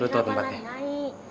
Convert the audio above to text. nyai tahu dari mana nyai